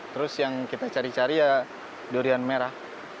terus yang kita cari cari ya durian merah